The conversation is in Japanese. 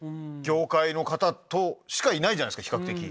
業界の方としかいないじゃないですか比較的。